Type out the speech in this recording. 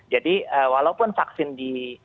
jadi walaupun vaksin di